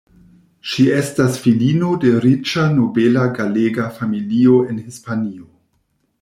Ŝi estis filino de riĉa nobela galega familio en Hispanio.